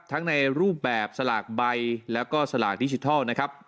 ในรูปแบบสลากใบแล้วก็สลากดิจิทัลนะครับ